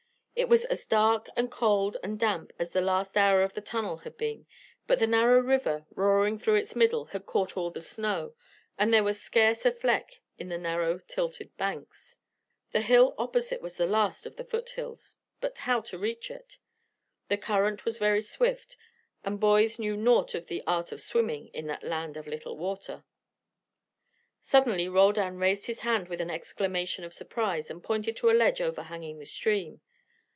It was as dark and cold and damp as the last hour of the tunnel had been, but the narrow river, roaring through its middle, had caught all the snow, and there was scarce a fleck on the narrow tilted banks. The hill opposite was the last of the foot hills; but how to reach it? The current was very swift, and boys knew naught of the art of swimming in that land of little water. Suddenly Roldan raised his hand with an exclamation of surprise and pointed to a ledge overhanging the stream.